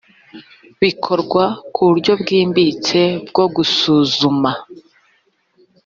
bikorwe ku buryo bwimbitse bwo gusuzuma